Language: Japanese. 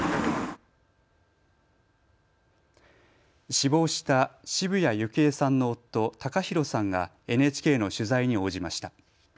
死亡した澁谷幸恵さんの夫、貴寛さんがＮＨＫの取材に応じました。